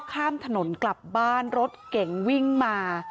ข้ามถนนกลับบ้านรถเก่งวิ่งมา